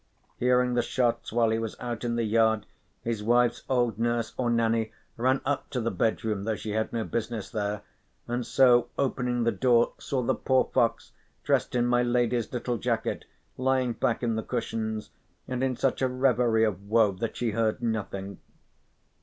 Hearing the shots while he was out in the yard his wife's old nurse, or Nanny, ran up to the bedroom though she had no business there, and so opening the door saw the poor fox dressed in my lady's little jacket lying back in the cushions, and in such a reverie of woe that she heard nothing.